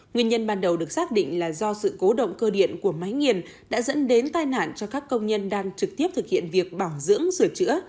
nguyên nhân ban đầu được xác định là do sự cố động cơ điện của máy nghiền đã dẫn đến tai nạn cho các công nhân đang trực tiếp thực hiện việc bảo dưỡng sửa chữa